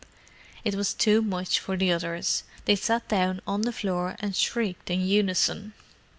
It was too much for the others. They sat down on the floor and shrieked in unison.